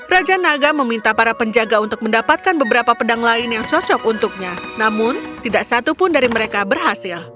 raja naga meminta para penjaga untuk mendapatkan beberapa pedang lain yang cocok untuknya namun tidak satu pun dari mereka berhasil